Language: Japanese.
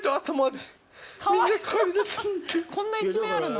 こんな一面あるの？